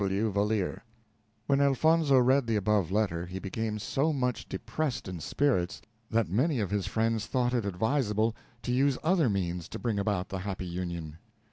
W. W. Valeer. When Elfonzo read the above letter, he became so much depressed in spirits that many of his friends thought it advisable to use other means to bring about the happy union.